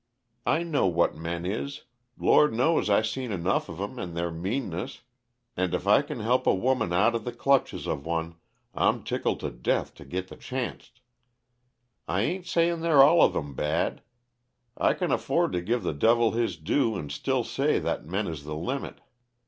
"I know what men is Lord knows I see enough of 'em and their meanness and if I can help a woman outa the clutches of one, I'm tickled to death to git the chancet. I ain't sayin' they're all of 'em bad I c'n afford to give the devil his due and still say that men is the limit.